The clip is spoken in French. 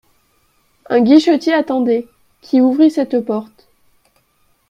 Un guichetier attendait, qui ouvrit cette porte.